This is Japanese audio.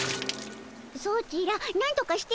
ソチらなんとかしてたも。